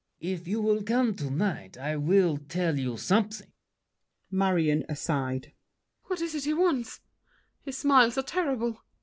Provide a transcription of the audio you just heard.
If you will come to night, I'll tell you something— MARION (aside). What is it he wants? His smiles are terrible.